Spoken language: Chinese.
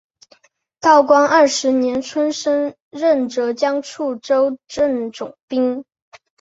道光二十年春升任浙江处州镇总兵。